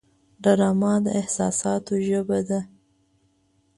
ډرامه د احساساتو ژبه ده